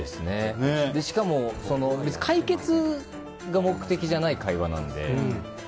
しかも解決が目的じゃない会話なので。